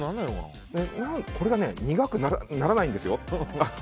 これが苦くならないんですよ。